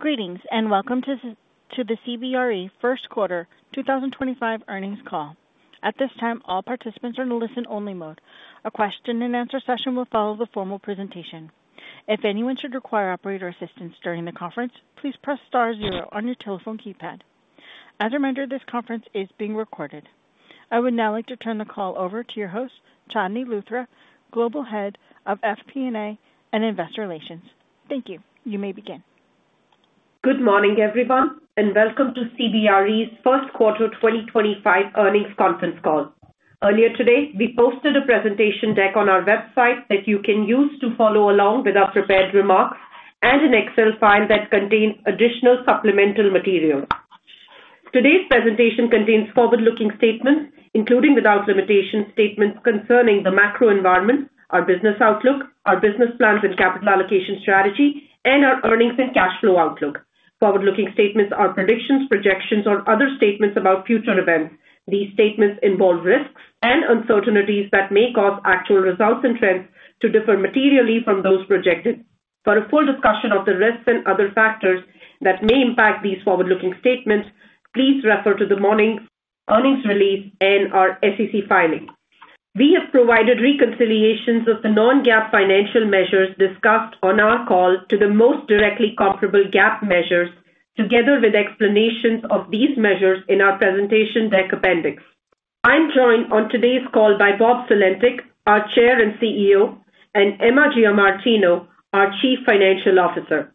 Greetings and welcome to the CBRE first quarter 2025 earnings call. At this time, all participants are in a listen-only mode. A question-and-answer session will follow the formal presentation. If anyone should require operator assistance during the conference, please press star zero on your telephone keypad. As a reminder, this conference is being recorded. I would now like to turn the call over to your host, Chandni Luthra, Global Head of FP&A and Investor Relations. Thank you. You may begin. Good morning, everyone, and welcome to CBRE's first quarter 2025 earnings conference call. Earlier today, we posted a presentation deck on our website that you can use to follow along with our prepared remarks and an Excel file that contains additional supplemental material. Today's presentation contains forward-looking statements, including without limitation statements concerning the macro environment, our business outlook, our business plans and capital allocation strategy, and our earnings and cash flow outlook. Forward-looking statements are predictions, projections, or other statements about future events. These statements involve risks and uncertainties that may cause actual results and trends to differ materially from those projected. For a full discussion of the risks and other factors that may impact these forward-looking statements, please refer to the morning's earnings release and our SEC filing. We have provided reconciliations of the non-GAAP financial measures discussed on our call to the most directly comparable GAAP measures, together with explanations of these measures in our presentation deck appendix. I'm joined on today's call by Bob Sulentic, our Chair and CEO, and Emma Giamartino, our Chief Financial Officer.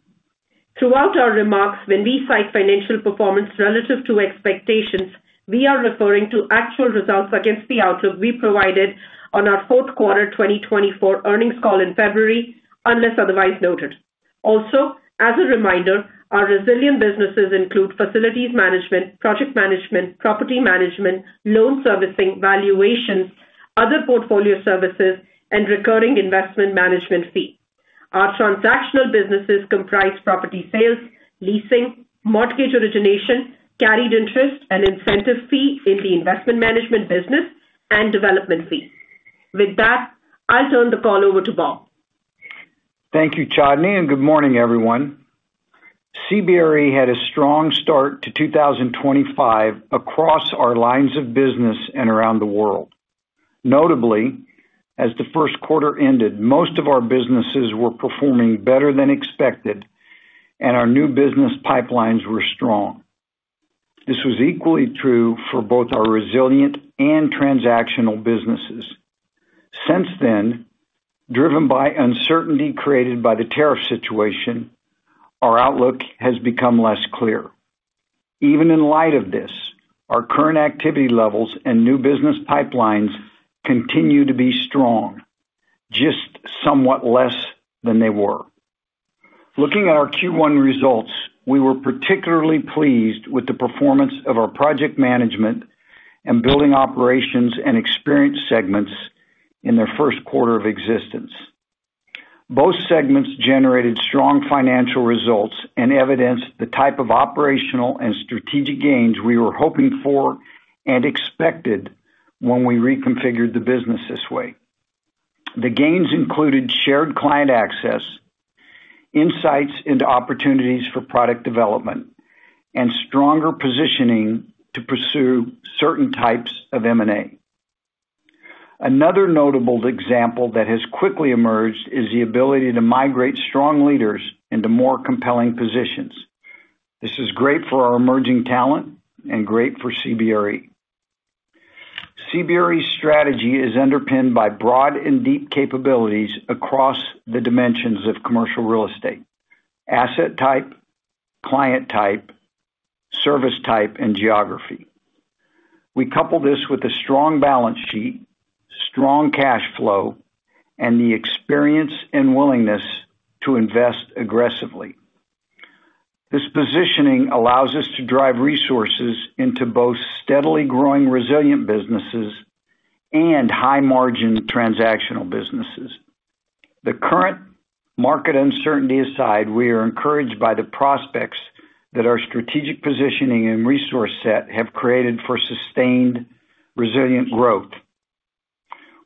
Throughout our remarks, when we cite financial performance relative to expectations, we are referring to actual results against the outlook we provided on our fourth quarter 2024 earnings call in February, unless otherwise noted. Also, as a reminder, our resilient businesses include facilities management, Project Management, property management, loan servicing, valuations, other portfolio services, and recurring investment management fee. Our transactional businesses comprise property sales, leasing, mortgage origination, carried interest, an incentive fee in the investment management business, and development fee. With that, I'll turn the call over to Bob. Thank you, Chandni, and good morning, everyone. CBRE had a strong start to 2025 across our lines of business and around the world. Notably, as the first quarter ended, most of our businesses were performing better than expected, and our new business pipelines were strong. This was equally true for both our resilient and transactional businesses. Since then, driven by uncertainty created by the tariff situation, our outlook has become less clear. Even in light of this, our current activity levels and new business pipelines continue to be strong, just somewhat less than they were. Looking at our Q1 results, we were particularly pleased with the performance of our project management and Building Operations and Experience segments in their first quarter of existence. Both segments generated strong financial results and evidenced the type of operational and strategic gains we were hoping for and expected when we reconfigured the business this way. The gains included shared client access, insights into opportunities for product development, and stronger positioning to pursue certain types of M&A. Another notable example that has quickly emerged is the ability to migrate strong leaders into more compelling positions. This is great for our emerging talent and great for CBRE. CBRE's strategy is underpinned by broad and deep capabilities across the dimensions of commercial real estate: asset type, client type, service type, and geography. We couple this with a strong balance sheet, strong cash flow, and the experience and willingness to invest aggressively. This positioning allows us to drive resources into both steadily growing resilient businesses and high-margin transactional businesses. The current market uncertainty aside, we are encouraged by the prospects that our strategic positioning and resource set have created for sustained resilient growth.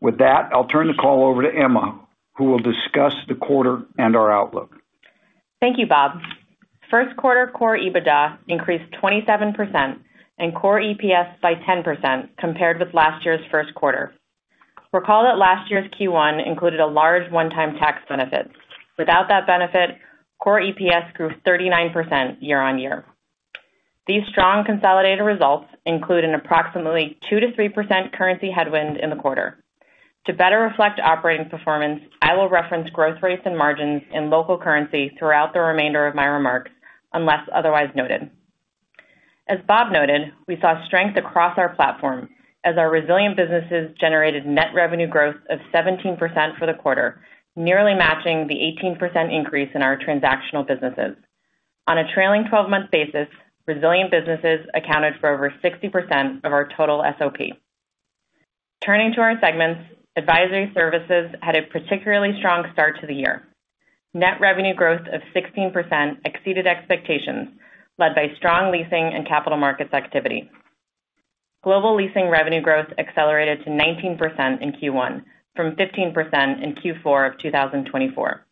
With that, I'll turn the call over to Emma, who will discuss the quarter and our outlook. Thank you, Bob. First quarter core EBITDA increased 27% and core EPS by 10% compared with last year's first quarter. Recall that last year's Q1 included a large one-time tax benefit. Without that benefit, core EPS grew 39% year-on-year. These strong consolidated results include an approximately 2%-3% currency headwind in the quarter. To better reflect operating performance, I will reference growth rates and margins in local currency throughout the remainder of my remarks, unless otherwise noted. As Bob noted, we saw strength across our platform as our resilient businesses generated net revenue growth of 17% for the quarter, nearly matching the 18% increase in our transactional businesses. On a trailing 12-month basis, resilient businesses accounted for over 60% of our total SOP. Turning to our segments, Advisory Services had a particularly strong start to the year. Net revenue growth of 16% exceeded expectations, led by strong leasing and capital markets activity. Global leasing revenue growth accelerated to 19% in Q1, from 15% in Q4 of 2024.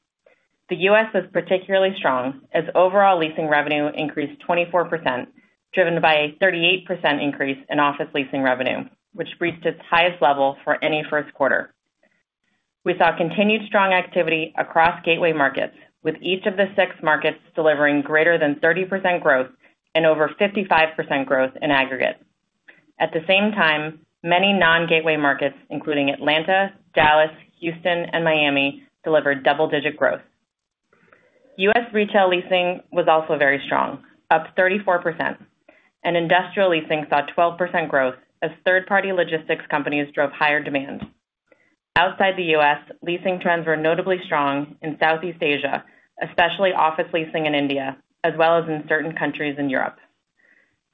The U.S. was particularly strong as overall leasing revenue increased 24%, driven by a 38% increase in office leasing revenue, which reached its highest level for any first quarter. We saw continued strong activity across gateway markets, with each of the six markets delivering greater than 30% growth and over 55% growth in aggregate. At the same time, many non-gateway markets, including Atlanta, Dallas, Houston, and Miami, delivered double-digit growth. U.S. retail leasing was also very strong, up 34%. Industrial leasing saw 12% growth as third-party logistics companies drove higher demand. Outside the U.S., leasing trends were notably strong in Southeast Asia, especially office leasing in India, as well as in certain countries in Europe.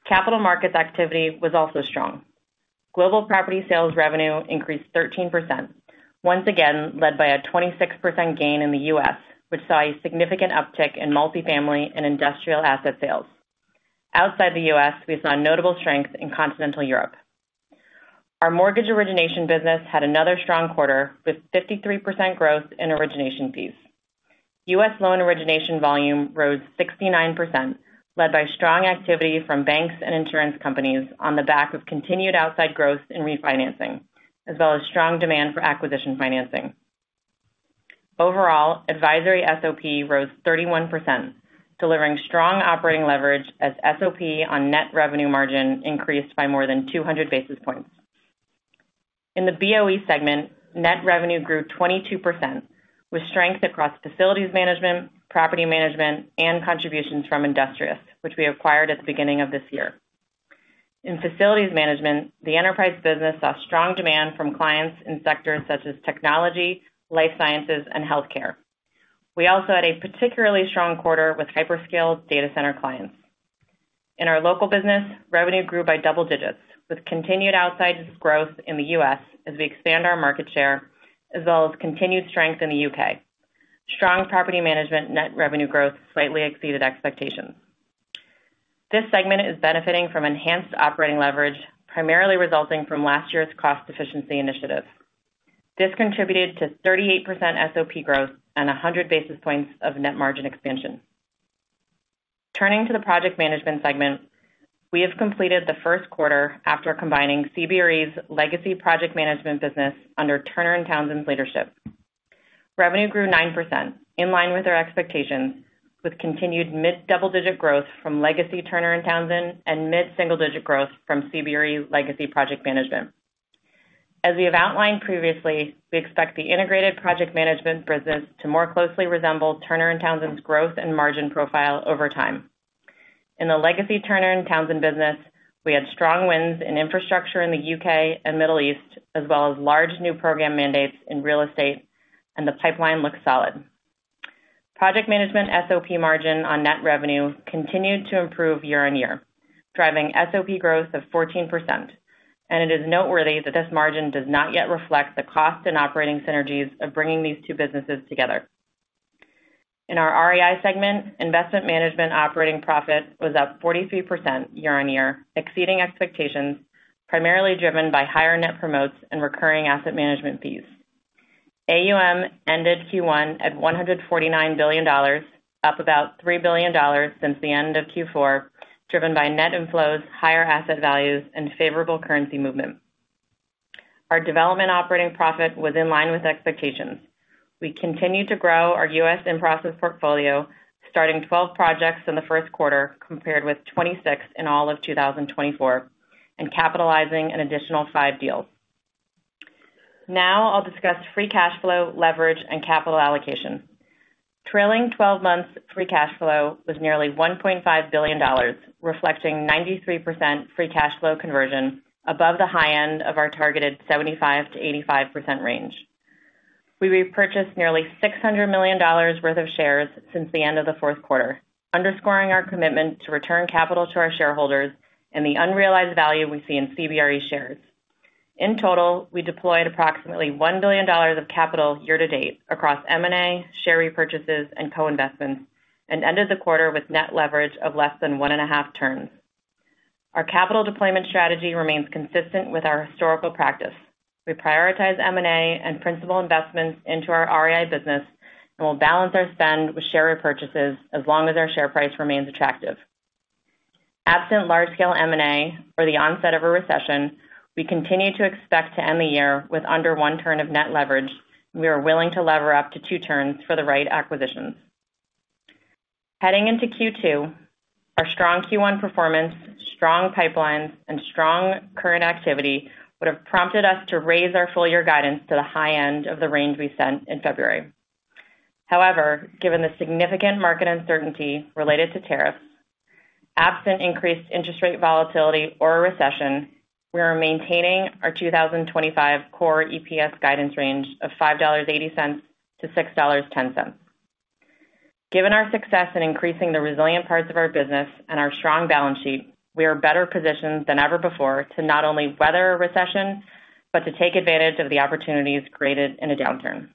Capital markets activity was also strong. Global property sales revenue increased 13%, once again led by a 26% gain in the U.S., which saw a significant uptick in multifamily and industrial asset sales. Outside the U.S., we saw notable strength in continental Europe. Our mortgage origination business had another strong quarter with 53% growth in origination fees. U.S. loan origination volume rose 69%, led by strong activity from banks and insurance companies on the back of continued outside growth in refinancing, as well as strong demand for acquisition financing. Overall, advisory SOP rose 31%, delivering strong operating leverage as SOP on net revenue margin increased by more than 200 basis points. In the BOE segment, net revenue grew 22%, with strength across facilities management, property management, and contributions from Industrious, which we acquired at the beginning of this year. In facilities management, the enterprise business saw strong demand from clients in sectors such as technology, life sciences, and healthcare. We also had a particularly strong quarter with hyperscale data center clients. In our local business, revenue grew by double digits, with continued outside growth in the U.S. as we expand our market share, as well as continued strength in the U.K. Strong property management net revenue growth slightly exceeded expectations. This segment is benefiting from enhanced operating leverage, primarily resulting from last year's cost efficiency initiative. This contributed to 38% SOP growth and 100 basis points of net margin expansion. Turning to the project management segment, we have completed the first quarter after combining CBRE's legacy project management business under Turner & Townsend's leadership. Revenue grew 9%, in line with our expectations, with continued mid-double-digit growth from legacy Turner & Townsend and mid-single-digit growth from CBRE legacy project management. As we have outlined previously, we expect the integrated project management business to more closely resemble Turner & Townsend's growth and margin profile over time. In the legacy Turner & Townsend business, we had strong wins in infrastructure in the U.K. and Middle East, as well as large new program mandates in real estate, and the pipeline looks solid. Project management SOP margin on net revenue continued to improve year-on-year, driving SOP growth of 14%. It is noteworthy that this margin does not yet reflect the cost and operating synergies of bringing these two businesses together. In our REI segment, investment management operating profit was up 43% year-on-year, exceeding expectations, primarily driven by higher net promotes and recurring asset management fees. AUM ended Q1 at $149 billion, up about $3 billion since the end of Q4, driven by net inflows, higher asset values, and favorable currency movement. Our development operating profit was in line with expectations. We continue to grow our U.S. in-process portfolio, starting 12 projects in the first quarter, compared with 26 in all of 2024, and capitalizing an additional five deals. Now I'll discuss free cash flow, leverage, and capital allocation. Trailing 12 months, free cash flow was nearly $1.5 billion, reflecting 93% free cash flow conversion, above the high end of our targeted 75%-85% range. We repurchased nearly $600 million worth of shares since the end of the fourth quarter, underscoring our commitment to return capital to our shareholders and the unrealized value we see in CBRE shares. In total, we deployed approximately $1 billion of capital year-to-date across M&A, share repurchases, and co-investments, and ended the quarter with net leverage of less than 1.5 turns. Our capital deployment strategy remains consistent with our historical practice. We prioritize M&A and principal investments into our REI business and will balance our spend with share repurchases as long as our share price remains attractive. Absent large-scale M&A or the onset of a recession, we continue to expect to end the year with under one turn of net leverage, and we are willing to lever up to two turns for the right acquisitions. Heading into Q2, our strong Q1 performance, strong pipelines, and strong current activity would have prompted us to raise our full-year guidance to the high end of the range we sent in February. However, given the significant market uncertainty related to tariffs, absent increased interest rate volatility or a recession, we are maintaining our 2025 core EPS guidance range of $5.80-$6.10. Given our success in increasing the resilient parts of our business and our strong balance sheet, we are better positioned than ever before to not only weather a recession, but to take advantage of the opportunities created in a downturn.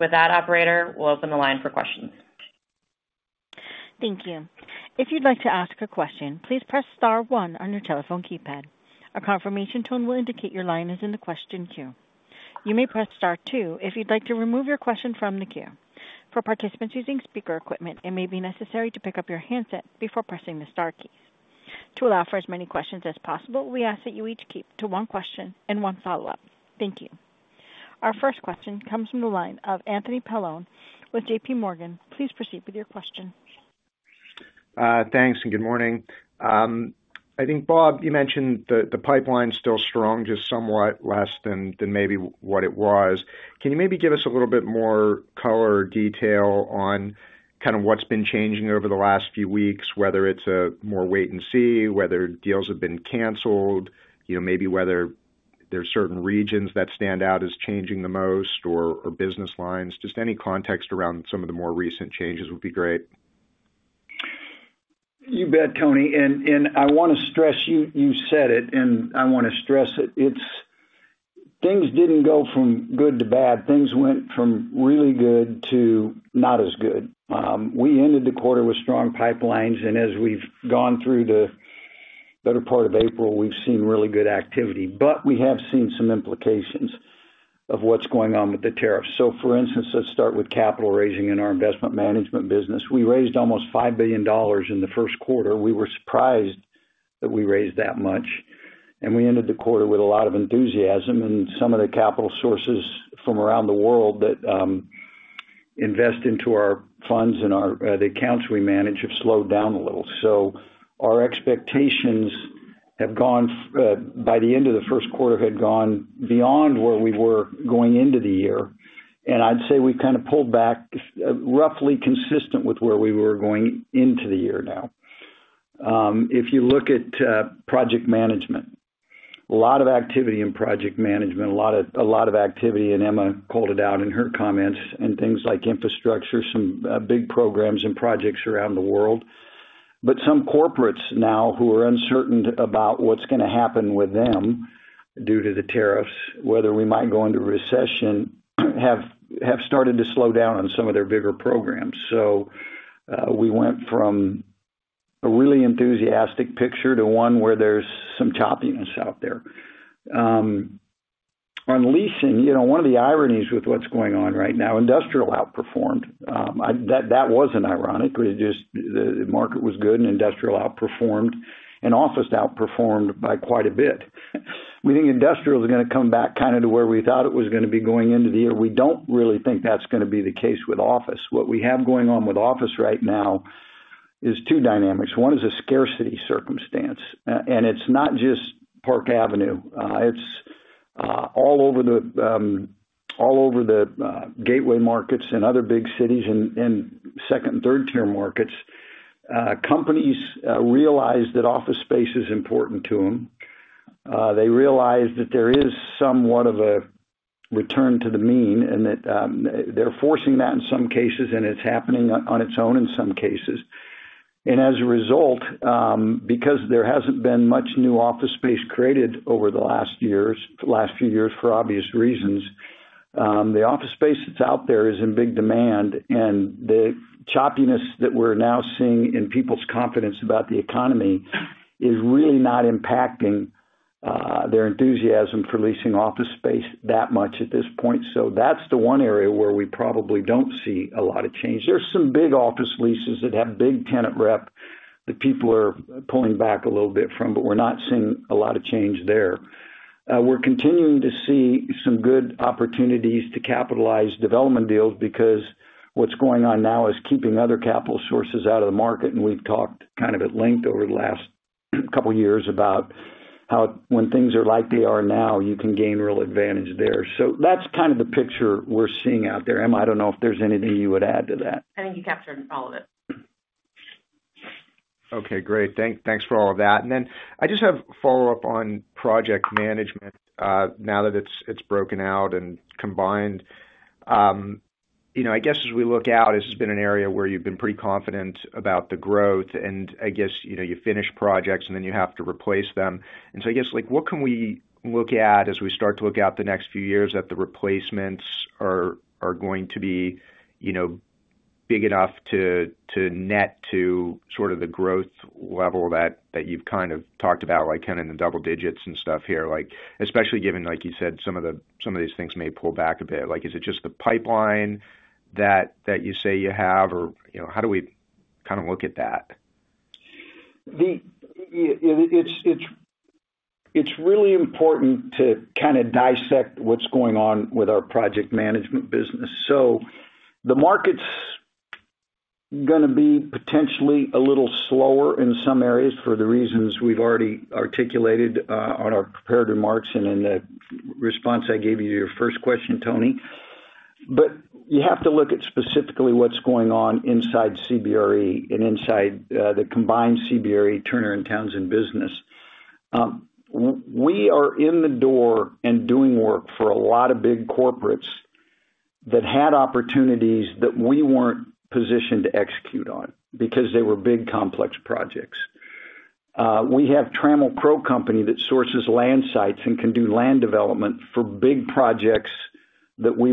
With that, Operator, we'll open the line for questions. Thank you. If you'd like to ask a question, please press star one on your telephone keypad. A confirmation tone will indicate your line is in the question queue. You may press star two if you'd like to remove your question from the queue. For participants using speaker equipment, it may be necessary to pick up your handset before pressing the star keys. To allow for as many questions as possible, we ask that you each keep to one question and one follow-up. Thank you. Our first question comes from the line of Anthony Paolone with JPMorgan. Please proceed with your question. Thanks and good morning. I think, Bob, you mentioned the pipeline is still strong, just somewhat less than maybe what it was. Can you maybe give us a little bit more color or detail on kind of what's been changing over the last few weeks, whether it's a more wait and see, whether deals have been canceled, maybe whether there are certain regions that stand out as changing the most, or business lines? Just any context around some of the more recent changes would be great. You bet, Tony. I want to stress, you said it, I want to stress it. Things did not go from good to bad. Things went from really good to not as good. We ended the quarter with strong pipelines, and as we have gone through the better part of April, we have seen really good activity. We have seen some implications of what is going on with the tariffs. For instance, let us start with capital raising in our investment management business. We raised almost $5 billion in the first quarter. We were surprised that we raised that much. We ended the quarter with a lot of enthusiasm, and some of the capital sources from around the world that invest into our funds and the accounts we manage have slowed down a little. Our expectations have gone, by the end of the first quarter, had gone beyond where we were going into the year. I'd say we've kind of pulled back, roughly consistent with where we were going into the year now. If you look at project management, a lot of activity in project management, a lot of activity, and Emma called it out in her comments, and things like infrastructure, some big programs and projects around the world. Some corporates now who are uncertain about what's going to happen with them due to the tariffs, whether we might go into recession, have started to slow down on some of their bigger programs. We went from a really enthusiastic picture to one where there's some choppiness out there. On leasing, one of the ironies with what's going on right now, industrial outperformed. That wasn't ironic. The market was good, and industrial outperformed, and office outperformed by quite a bit. We think industrial is going to come back kind of to where we thought it was going to be going into the year. We do not really think that is going to be the case with office. What we have going on with office right now is two dynamics. One is a scarcity circumstance. It is not just Park Avenue. It is all over the gateway markets and other big cities and second and third-tier markets. Companies realize that office space is important to them. They realize that there is somewhat of a return to the mean, and that they are forcing that in some cases, and it is happening on its own in some cases. As a result, because there has not been much new office space created over the last few years for obvious reasons, the office space that is out there is in big demand. The choppiness that we are now seeing in people's confidence about the economy is really not impacting their enthusiasm for leasing office space that much at this point. That is the one area where we probably do not see a lot of change. There are some big office leases that have big tenant rep that people are pulling back a little bit from, but we are not seeing a lot of change there. We are continuing to see some good opportunities to capitalize development deals because what is going on now is keeping other capital sources out of the market. We have talked kind of at length over the last couple of years about how when things are like they are now, you can gain real advantage there. That is kind of the picture we are seeing out there. Emma, I do not know if there is anything you would add to that. I think you captured all of it. Okay, great. Thanks for all of that. I just have a follow-up on project management now that it's broken out and combined. I guess as we look out, this has been an area where you've been pretty confident about the growth. I guess you finish projects, and then you have to replace them. I guess what can we look at as we start to look out the next few years that the replacements are going to be big enough to net to sort of the growth level that you've kind of talked about, like kind of in the double digits and stuff here, especially given, like you said, some of these things may pull back a bit. Is it just the pipeline that you say you have, or how do we kind of look at that? It's really important to kind of dissect what's going on with our project management business. The market's going to be potentially a little slower in some areas for the reasons we've already articulated on our comparative marks and in the response I gave you to your first question, Tony. You have to look at specifically what's going on inside CBRE and inside the combined CBRE, Turner & Townsend business. We are in the door and doing work for a lot of big corporates that had opportunities that we weren't positioned to execute on because they were big complex projects. We have Trammell Crow Company that sources land sites and can do land development for big projects that we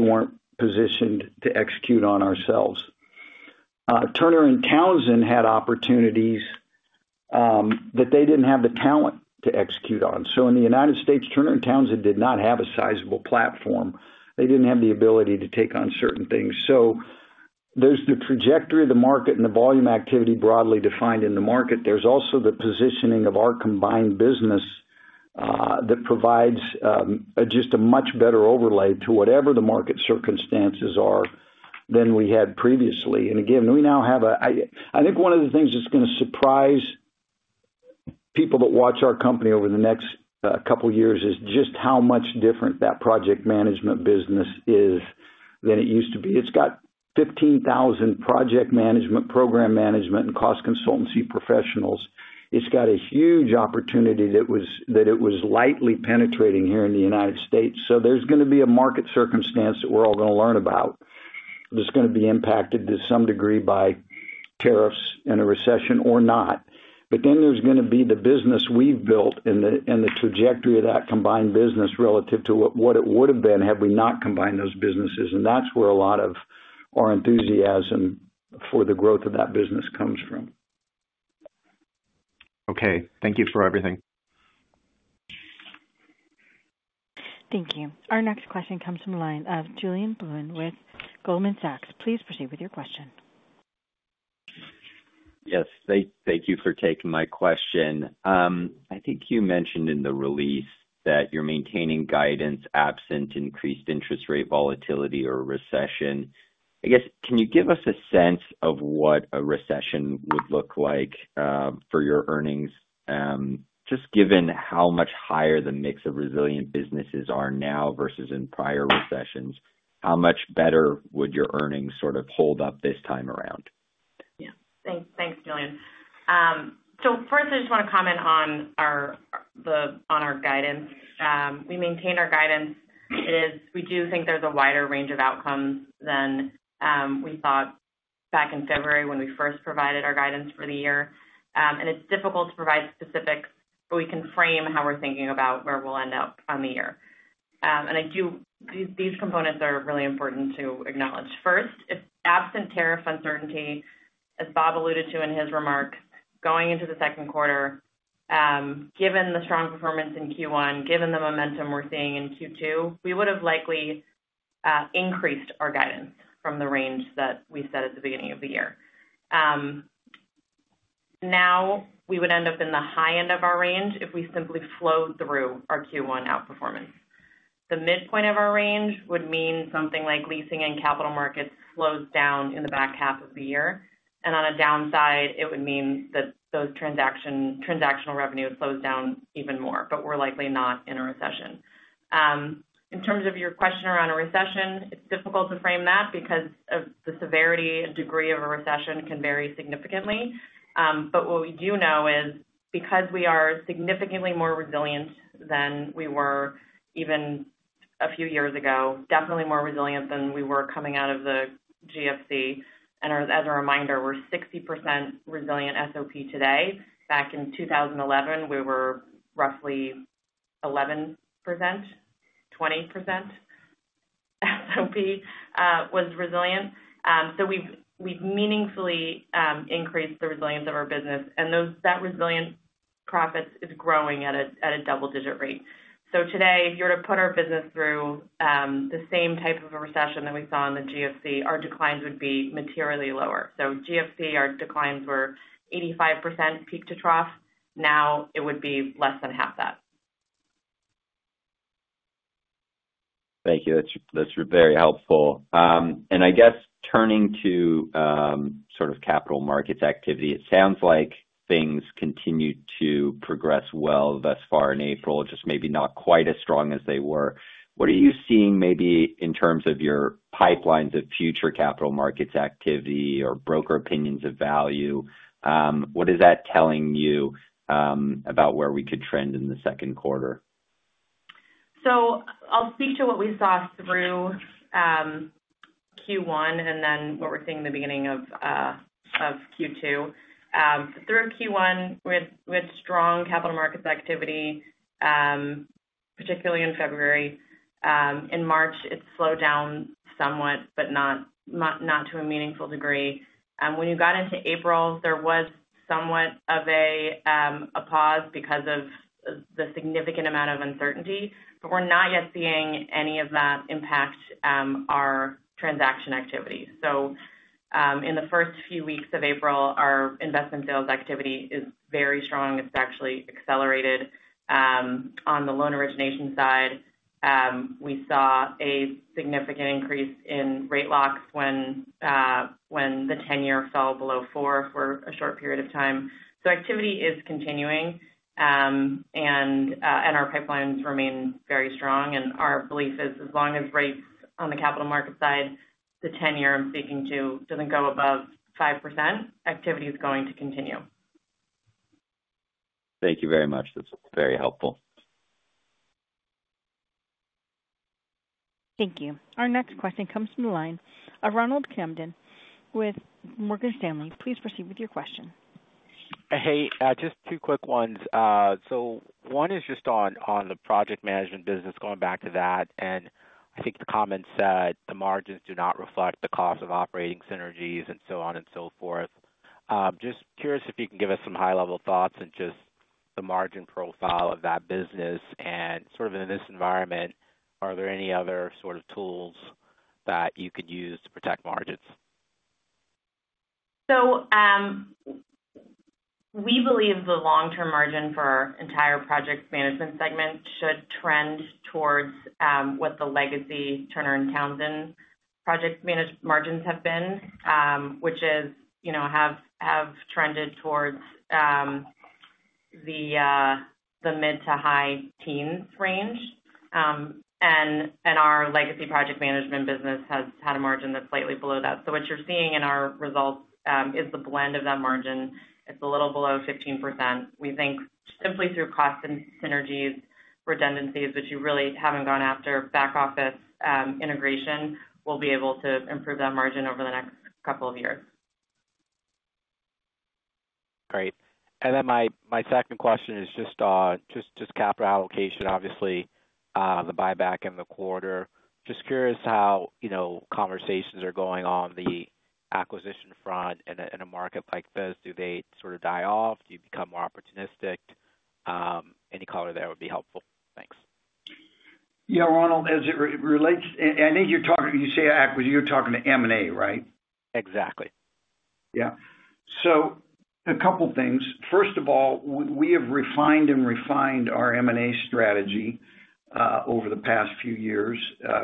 weren't positioned to execute on ourselves. Turner & Townsend had opportunities that they didn't have the talent to execute on. In the United States, Turner & Townsend did not have a sizable platform. They did not have the ability to take on certain things. There is the trajectory of the market and the volume activity broadly defined in the market. There is also the positioning of our combined business that provides just a much better overlay to whatever the market circumstances are than we had previously. Again, we now have a, I think one of the things that is going to surprise people that watch our company over the next couple of years is just how much different that project management business is than it used to be. It has 15,000 project management, program management, and cost consultancy professionals. It has a huge opportunity that it was lightly penetrating here in the United States. There is going to be a market circumstance that we are all going to learn about that is going to be impacted to some degree by tariffs and a recession or not. Then there is going to be the business we have built and the trajectory of that combined business relative to what it would have been had we not combined those businesses. That is where a lot of our enthusiasm for the growth of that business comes from. Okay. Thank you for everything. Thank you. Our next question comes from Julien Blouin with Goldman Sachs. Please proceed with your question. Yes. Thank you for taking my question. I think you mentioned in the release that you're maintaining guidance absent increased interest rate volatility or a recession. I guess, can you give us a sense of what a recession would look like for your earnings? Just given how much higher the mix of resilient businesses are now versus in prior recessions, how much better would your earnings sort of hold up this time around? Yeah. Thanks, Julian. First, I just want to comment on our guidance. We maintain our guidance. We do think there's a wider range of outcomes than we thought back in February when we first provided our guidance for the year. It's difficult to provide specifics, but we can frame how we're thinking about where we'll end up on the year. These components are really important to acknowledge. First, absent tariff uncertainty, as Bob alluded to in his remarks, going into the second quarter, given the strong performance in Q1, given the momentum we're seeing in Q2, we would have likely increased our guidance from the range that we set at the beginning of the year. We would end up in the high end of our range if we simply flowed through our Q1 outperformance. The midpoint of our range would mean something like leasing and capital markets slows down in the back half of the year. On a downside, it would mean that those transactional revenues slow down even more. We're likely not in a recession. In terms of your question around a recession, it's difficult to frame that because the severity and degree of a recession can vary significantly. What we do know is because we are significantly more resilient than we were even a few years ago, definitely more resilient than we were coming out of the GFC. As a reminder, we're 60% resilient SOP today. Back in 2011, we were roughly 11%, 20% SOP was resilient. We've meaningfully increased the resilience of our business. That resilience profit is growing at a double-digit rate. If you were to put our business through the same type of a recession that we saw in the GFC, our declines would be materially lower. GFC, our declines were 85% peak to trough. Now, it would be less than half that. Thank you. That's very helpful. I guess turning to sort of capital markets activity, it sounds like things continue to progress well thus far in April, just maybe not quite as strong as they were. What are you seeing maybe in terms of your pipelines of future capital markets activity or broker opinions of value? What is that telling you about where we could trend in the second quarter? I'll speak to what we saw through Q1 and then what we're seeing in the beginning of Q2. Through Q1, we had strong capital markets activity, particularly in February. In March, it slowed down somewhat, but not to a meaningful degree. When you got into April, there was somewhat of a pause because of the significant amount of uncertainty. We're not yet seeing any of that impact our transaction activity. In the first few weeks of April, our investment sales activity is very strong. It's actually accelerated on the loan origination side. We saw a significant increase in rate locks when the 10-year fell below four for a short period of time. Activity is continuing, and our pipelines remain very strong. Our belief is as long as rates on the capital market side, the 10-year I'm speaking to, does not go above 5%, activity is going to continue. Thank you very much. That's very helpful. Thank you. Our next question comes from the line of Ronald Kamdem with Morgan Stanley. Please proceed with your question. Hey, just two quick ones. One is just on the project management business, going back to that. I think the comments said the margins do not reflect the cost of operating synergies and so on and so forth. Just curious if you can give us some high-level thoughts and just the margin profile of that business. In this environment, are there any other sort of tools that you could use to protect margins? We believe the long-term margin for our entire project management segment should trend towards what the legacy Turner & Townsend project margins have been, which have trended towards the mid to high teens range. Our legacy project management business has had a margin that's slightly below that. What you're seeing in our results is the blend of that margin. It's a little below 15%. We think simply through cost and synergies, redundancies, which you really haven't gone after, back office integration will be able to improve that margin over the next couple of years. Great. My second question is just capital allocation, obviously, the buyback in the quarter. Just curious how conversations are going on the acquisition front in a market like this. Do they sort of die off? Do you become more opportunistic? Any color there would be helpful. Thanks. Yeah, Ronald, as it relates, I think you're talking to M&A, right? Exactly. Yeah. A couple of things. First of all, we have refined and refined our M&A strategy over the past few years.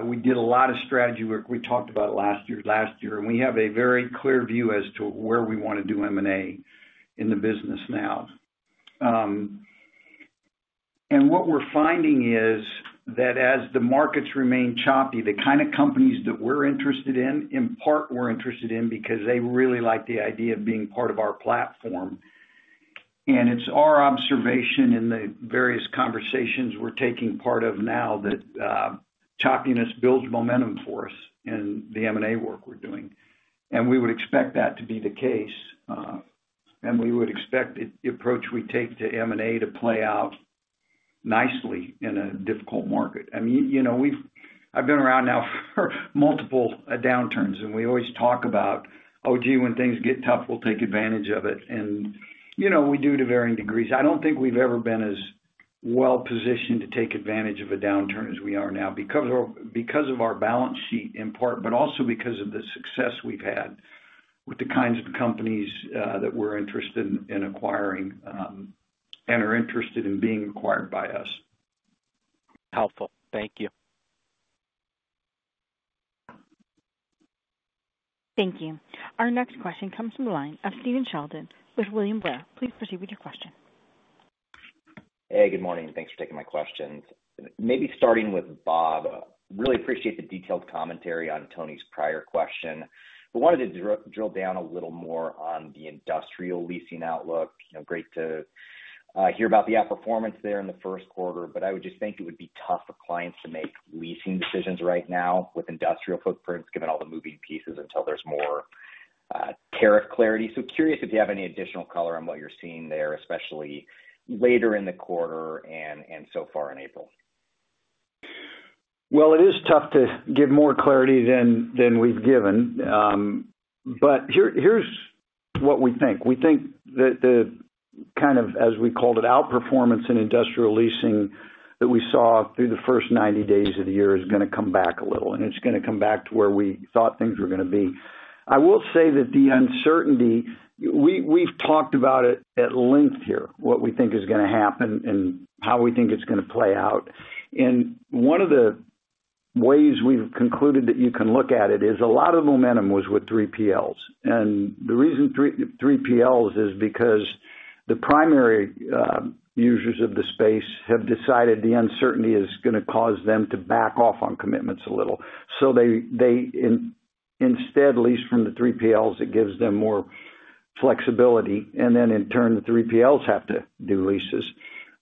We did a lot of strategy work we talked about last year. We have a very clear view as to where we want to do M&A in the business now. What we're finding is that as the markets remain choppy, the kind of companies that we're interested in, in part, we're interested in because they really like the idea of being part of our platform. It's our observation in the various conversations we're taking part of now that choppiness builds momentum for us in the M&A work we're doing. We would expect that to be the case. We would expect the approach we take to M&A to play out nicely in a difficult market. I mean, I've been around now for multiple downturns, and we always talk about, "Oh, gee, when things get tough, we'll take advantage of it." And we do to varying degrees. I don't think we've ever been as well positioned to take advantage of a downturn as we are now because of our balance sheet in part, but also because of the success we've had with the kinds of companies that we're interested in acquiring and are interested in being acquired by us. Helpful. Thank you. Thank you. Our next question comes from the line of Stephen Sheldon with William Blair. Please proceed with your question. Hey, good morning. Thanks for taking my questions. Maybe starting with Bob, really appreciate the detailed commentary on Tony's prior question. We wanted to drill down a little more on the industrial leasing outlook. Great to hear about the outperformance there in the first quarter. I would just think it would be tough for clients to make leasing decisions right now with industrial footprints, given all the moving pieces until there's more tariff clarity. Curious if you have any additional color on what you're seeing there, especially later in the quarter and so far in April. It is tough to give more clarity than we've given. Here's what we think. We think that the kind of, as we called it, outperformance in industrial leasing that we saw through the first 90 days of the year is going to come back a little. It is going to come back to where we thought things were going to be. I will say that the uncertainty, we've talked about it at length here, what we think is going to happen and how we think it's going to play out. One of the ways we've concluded that you can look at it is a lot of the momentum was with 3PLs. The reason 3PLs is because the primary users of the space have decided the uncertainty is going to cause them to back off on commitments a little. They instead lease from the 3PLs. It gives them more flexibility. In turn, the 3PLs have to do leases.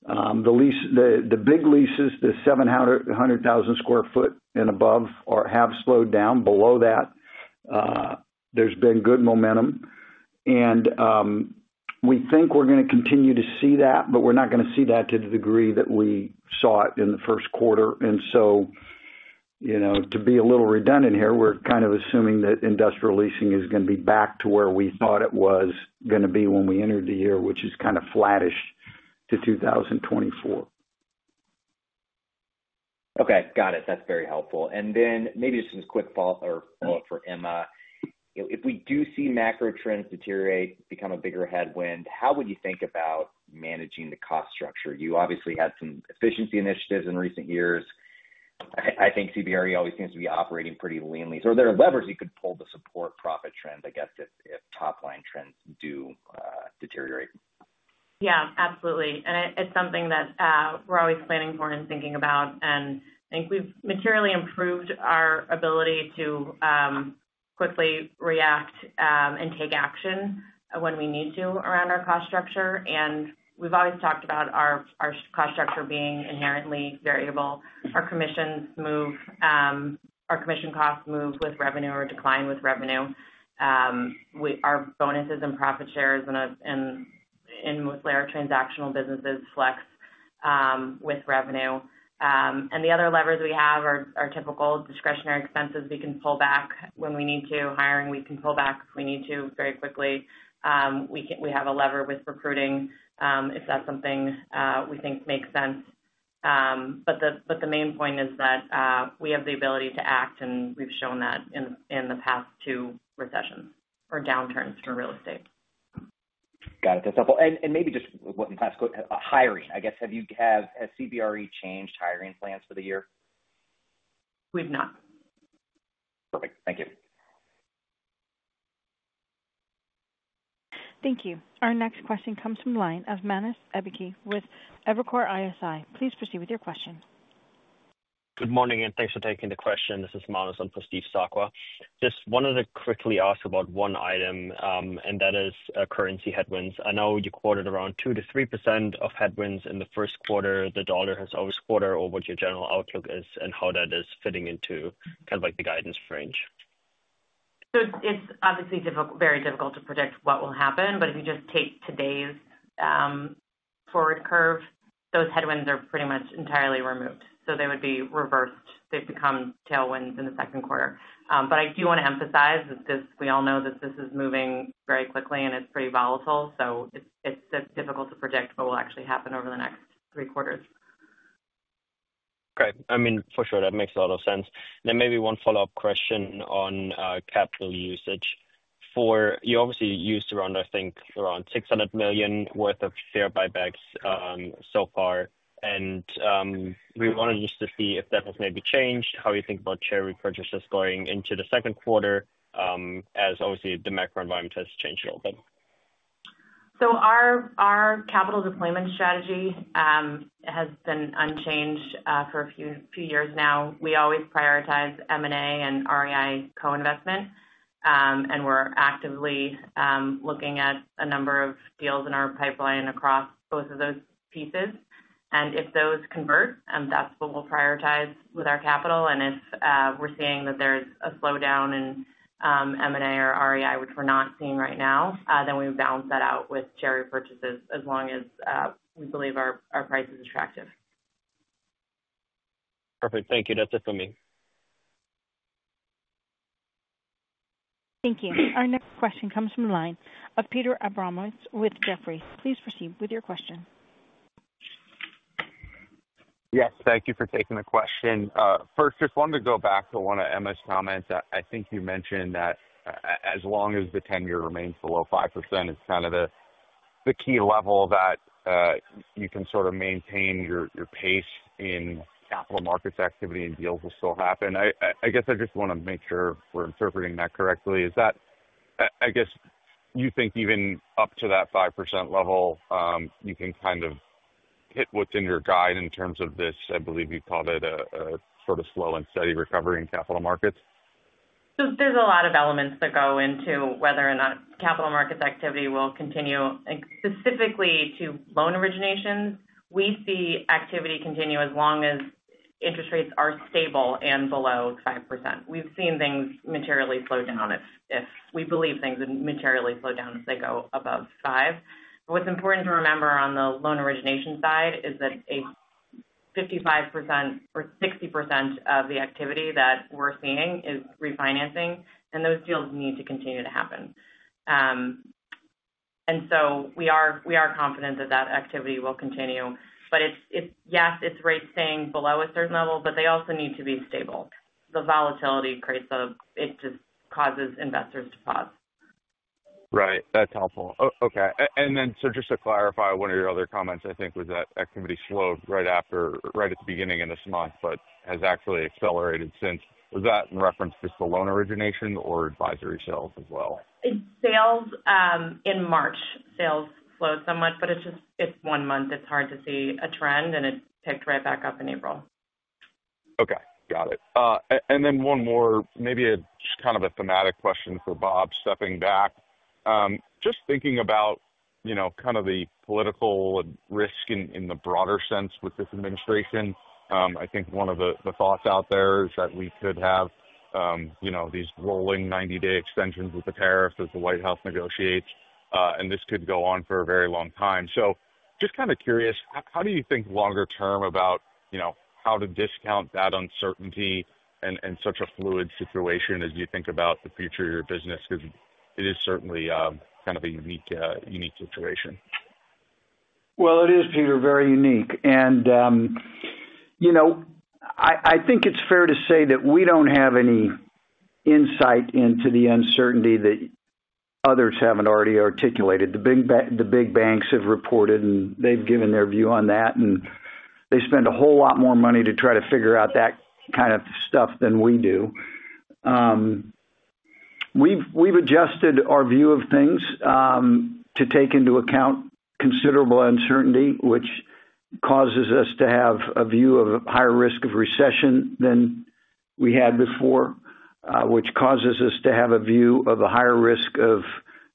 The big leases, the 700,000 sq ft and above, have slowed down. Below that, there's been good momentum. We think we're going to continue to see that, but we're not going to see that to the degree that we saw it in the first quarter. To be a little redundant here, we're kind of assuming that industrial leasing is going to be back to where we thought it was going to be when we entered the year, which is kind of flattish to 2024. Okay. Got it. That's very helpful. Maybe just some quick follow-up for Emma. If we do see macro trends deteriorate, become a bigger headwind, how would you think about managing the cost structure? You obviously had some efficiency initiatives in recent years. I think CBRE always seems to be operating pretty leanly. Are there levers you could pull to support profit trends, I guess, if top-line trends do deteriorate? Yeah, absolutely. It is something that we're always planning for and thinking about. I think we've materially improved our ability to quickly react and take action when we need to around our cost structure. We've always talked about our cost structure being inherently variable. Our commission costs move with revenue or decline with revenue. Our bonuses and profit shares in mostly our transactional businesses flex with revenue. The other levers we have are our typical discretionary expenses. We can pull back when we need to. Hiring, we can pull back if we need to very quickly. We have a lever with recruiting if that is something we think makes sense. The main point is that we have the ability to act, and we've shown that in the past two recessions or downturns for real estate. Got it. That's helpful. Maybe just what in class, hiring, I guess. Has CBRE changed hiring plans for the year? We have not. Perfect. Thank you. Thank you. Our next question comes from the line of Manus Ebbecke with Evercore ISI. Please proceed with your question. Good morning and thanks for taking the question. This is Manus. I'm for Steve Sakwa. Just wanted to quickly ask about one item, and that is currency headwinds. I know you quoted around 2%-3% of headwinds in the first quarter. The dollar has. Quarter or what your general outlook is and how that is fitting into kind of the guidance range? It is obviously very difficult to predict what will happen. If you just take today's forward curve, those headwinds are pretty much entirely removed. They would be reversed. They become tailwinds in the second quarter. I do want to emphasize that we all know that this is moving very quickly and it is pretty volatile. It is difficult to predict what will actually happen over the next three quarters. Okay. I mean, for sure, that makes a lot of sense. Maybe one follow-up question on capital usage. You obviously used around, I think, around $600 million worth of share buybacks so far. We wanted just to see if that has maybe changed, how you think about share repurchases going into the second quarter as obviously the macro environment has changed a little bit. Our capital deployment strategy has been unchanged for a few years now. We always prioritize M&A and REI co-investment. We're actively looking at a number of deals in our pipeline across both of those pieces. If those convert, that's what we'll prioritize with our capital. If we're seeing that there's a slowdown in M&A or REI, which we're not seeing right now, then we balance that out with share repurchases as long as we believe our price is attractive. Perfect. Thank you. That's it for me. Thank you. Our next question comes from the line of Peter Abramowitz with Jefferies. Please proceed with your question. Yes. Thank you for taking the question. First, just wanted to go back to one of Emma's comments. I think you mentioned that as long as the 10-year remains below 5%, it's kind of the key level that you can sort of maintain your pace in capital markets activity and deals will still happen. I guess I just want to make sure we're interpreting that correctly. Is that, I guess, you think even up to that 5% level, you can kind of hit what's in your guide in terms of this, I believe you called it a sort of slow and steady recovery in capital markets? There are a lot of elements that go into whether or not capital markets activity will continue. Specifically to loan originations, we see activity continue as long as interest rates are stable and below 5%. We have seen things materially slow down if we believe things would materially slow down if they go above 5%. What is important to remember on the loan origination side is that 55% or 60% of the activity that we are seeing is refinancing, and those deals need to continue to happen. We are confident that that activity will continue. Yes, it is rates staying below a certain level, but they also need to be stable. The volatility creates a it just causes investors to pause. Right. That's helpful. Okay. Just to clarify, one of your other comments, I think, was that activity slowed right at the beginning of this month, but has actually accelerated since. Was that in reference to the loan origination or advisory sales as well? Sales in March slowed somewhat, but it's one month. It's hard to see a trend, and it picked right back up in April. Okay. Got it. One more, maybe just kind of a thematic question for Bob, stepping back. Just thinking about kind of the political risk in the broader sense with this administration, I think one of the thoughts out there is that we could have these rolling 90-day extensions with the tariffs as the White House negotiates. This could go on for a very long time. Just kind of curious, how do you think longer term about how to discount that uncertainty in such a fluid situation as you think about the future of your business? Because it is certainly kind of a unique situation. It is, Peter, very unique. I think it's fair to say that we don't have any insight into the uncertainty that others haven't already articulated. The big banks have reported, and they've given their view on that. They spend a whole lot more money to try to figure out that kind of stuff than we do. We've adjusted our view of things to take into account considerable uncertainty, which causes us to have a view of a higher risk of recession than we had before, which causes us to have a view of a higher risk of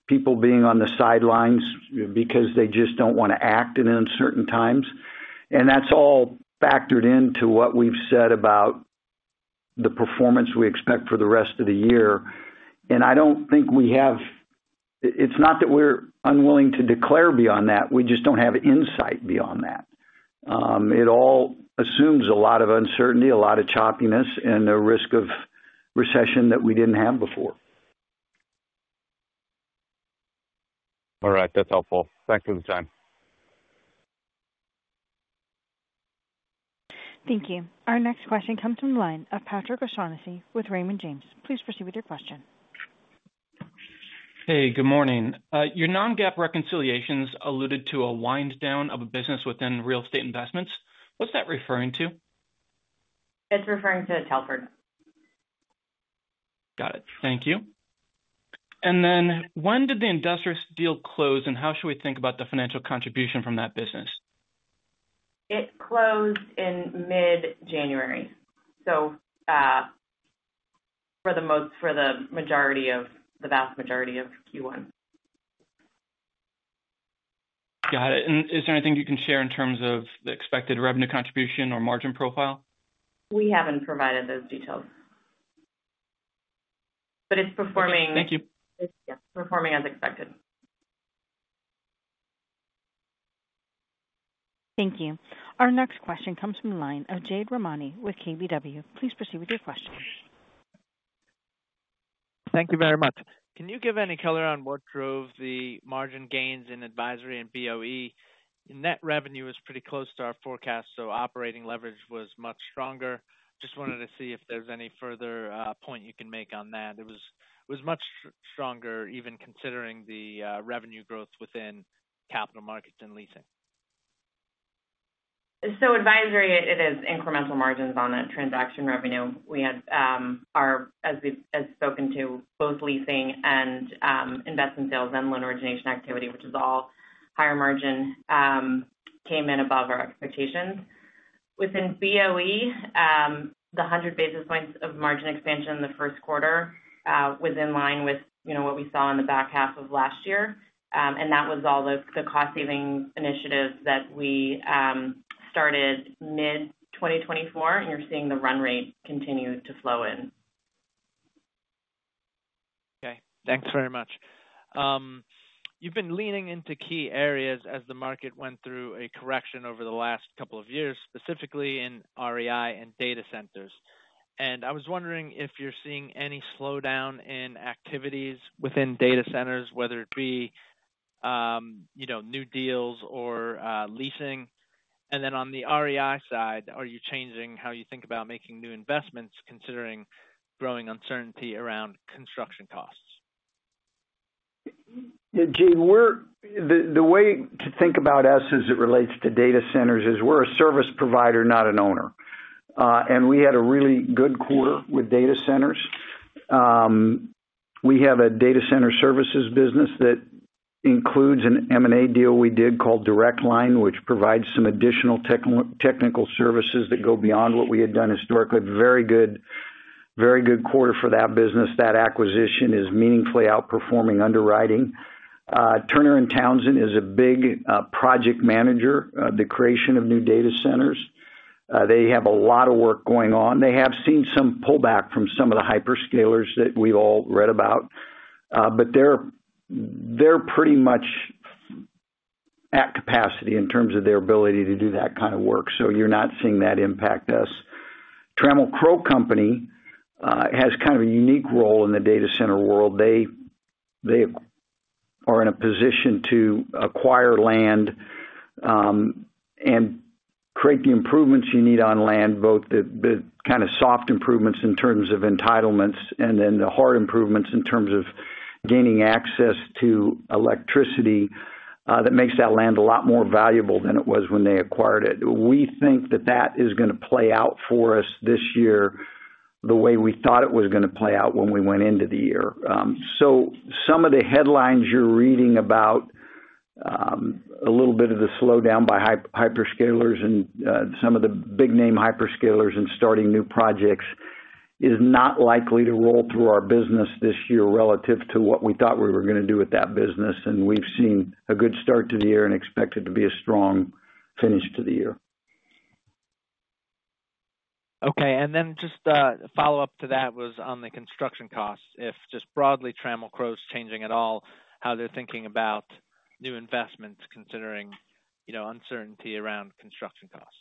people being on the sidelines because they just don't want to act in uncertain times. That's all factored into what we've said about the performance we expect for the rest of the year. I don't think we have—it's not that we're unwilling to declare beyond that. We just don't have insight beyond that. It all assumes a lot of uncertainty, a lot of choppiness, and a risk of recession that we didn't have before. All right. That's helpful. Thanks for the time. Thank you. Our next question comes from the line of Patrick O'Shaughnessy with Raymond James. Please proceed with your question. Hey, good morning. Your non-GAAP reconciliations alluded to a wind down of a business within real estate investments. What's that referring to? It's referring to a Telford. Got it. Thank you. When did the Industrious deal close and how should we think about the financial contribution from that business? It closed in mid-January. For the vast majority of Q1. Got it. Is there anything you can share in terms of the expected revenue contribution or margin profile? We have not provided those details. It is performing. Thank you. Yes, performing as expected. Thank you. Our next question comes from the line of Jade Rahmani with KBW. Please proceed with your question. Thank you very much. Can you give any color on what drove the margin gains in advisory and BOE? Net revenue was pretty close to our forecast, so operating leverage was much stronger. Just wanted to see if there's any further point you can make on that. It was much stronger even considering the revenue growth within capital markets and leasing. Advisory, it is incremental margins on that transaction revenue. We had, as we've spoken to, both leasing and investment sales and loan origination activity, which is all higher margin, came in above our expectations. Within BOE, the 100 basis points of margin expansion in the first quarter was in line with what we saw in the back half of last year. That was all the cost-saving initiatives that we started mid-2024, and you're seeing the run rate continue to flow in. Okay. Thanks very much. You've been leaning into key areas as the market went through a correction over the last couple of years, specifically in REI and data centers. I was wondering if you're seeing any slowdown in activities within data centers, whether it be new deals or leasing. On the REI side, are you changing how you think about making new investments considering growing uncertainty around construction costs? The way to think about us as it relates to data centers is we're a service provider, not an owner. We had a really good quarter with data centers. We have a data center services business that includes an M&A deal we did called Direct Line, which provides some additional technical services that go beyond what we had done historically. Very good quarter for that business. That acquisition is meaningfully outperforming underwriting. Turner & Townsend is a big project manager, the creation of new data centers. They have a lot of work going on. They have seen some pullback from some of the hyperscalers that we've all read about. They are pretty much at capacity in terms of their ability to do that kind of work. You are not seeing that impact us. Trammell Crow Company has kind of a unique role in the data center world. They are in a position to acquire land and create the improvements you need on land, both the kind of soft improvements in terms of entitlements and then the hard improvements in terms of gaining access to electricity that makes that land a lot more valuable than it was when they acquired it. We think that that is going to play out for us this year the way we thought it was going to play out when we went into the year. Some of the headlines you're reading about a little bit of the slowdown by hyperscalers and some of the big-name hyperscalers and starting new projects is not likely to roll through our business this year relative to what we thought we were going to do with that business. We have seen a good start to the year and expect it to be a strong finish to the year. Okay. Just a follow-up to that was on the construction costs. If just broadly, Trammell Crow's changing at all, how they're thinking about new investments considering uncertainty around construction costs.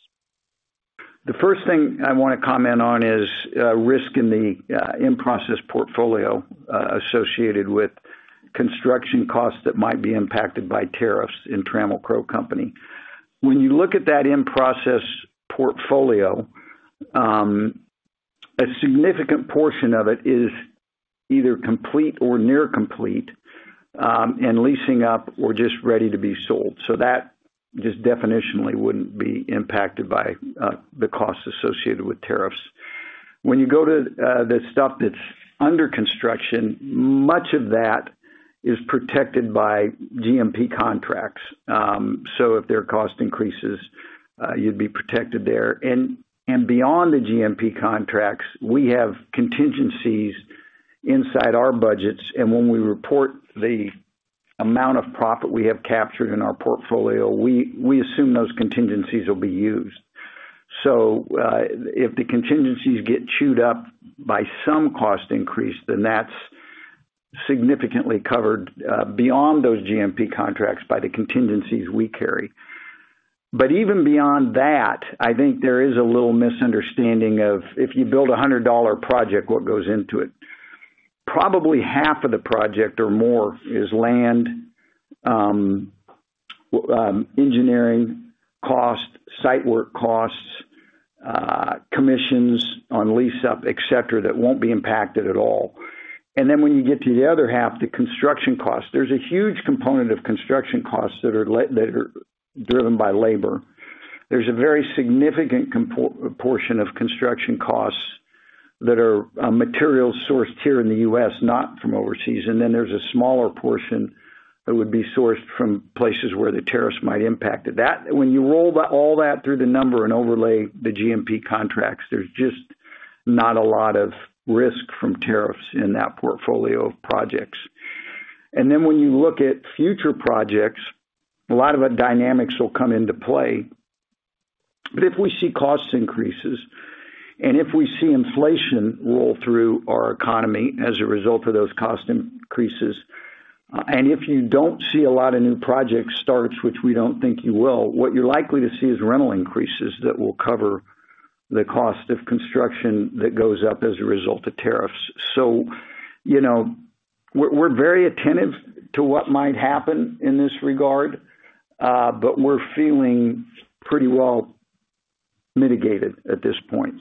The first thing I want to comment on is risk in the in-process portfolio associated with construction costs that might be impacted by tariffs in Trammell Crow Company. When you look at that in-process portfolio, a significant portion of it is either complete or near complete and leasing up or just ready to be sold. That just definitionally wouldn't be impacted by the costs associated with tariffs. When you go to the stuff that's under construction, much of that is protected by GMP contracts. If there are cost increases, you'd be protected there. Beyond the GMP contracts, we have contingencies inside our budgets. When we report the amount of profit we have captured in our portfolio, we assume those contingencies will be used. If the contingencies get chewed up by some cost increase, then that's significantly covered beyond those GMP contracts by the contingencies we carry. Even beyond that, I think there is a little misunderstanding of if you build a $100 project, what goes into it. Probably half of the project or more is land, engineering costs, site work costs, commissions on lease-up, etc., that will not be impacted at all. When you get to the other half, the construction costs, there is a huge component of construction costs that are driven by labor. There is a very significant portion of construction costs that are materials sourced here in the U.S., not from overseas. There is a smaller portion that would be sourced from places where the tariffs might impact it. When you roll all that through the number and overlay the GMP contracts, there is just not a lot of risk from tariffs in that portfolio of projects. When you look at future projects, a lot of dynamics will come into play. If we see cost increases and if we see inflation roll through our economy as a result of those cost increases, and if you do not see a lot of new projects start, which we do not think you will, what you are likely to see is rental increases that will cover the cost of construction that goes up as a result of tariffs. We are very attentive to what might happen in this regard, but we are feeling pretty well mitigated at this point.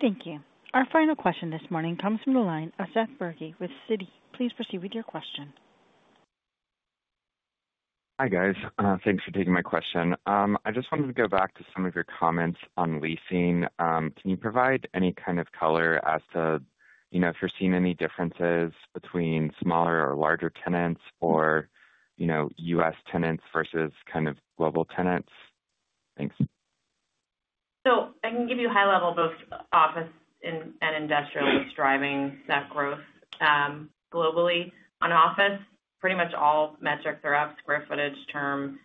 Thank you. Our final question this morning comes from the line of Seth Bergey with Citi. Please proceed with your question. Hi guys. Thanks for taking my question. I just wanted to go back to some of your comments on leasing. Can you provide any kind of color as to if you're seeing any differences between smaller or larger tenants or U.S. tenants versus kind of global tenants? Thanks. I can give you high-level both office and industrial that's driving that growth globally. On office, pretty much all metrics are up. Square footage, term,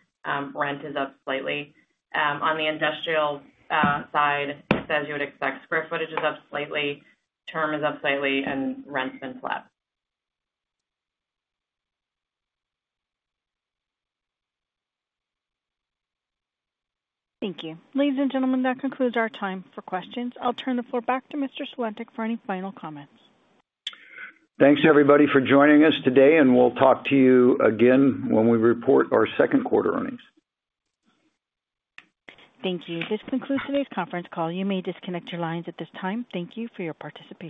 rent is up slightly. On the industrial side, as you would expect, square footage is up slightly, term is up slightly, and rent's been flat. Thank you. Ladies and gentlemen, that concludes our time for questions. I'll turn the floor back to Mr. Sulentic for any final comments. Thanks everybody for joining us today, and we'll talk to you again when we report our second quarter earnings. Thank you. This concludes today's conference call. You may disconnect your lines at this time. Thank you for your participation.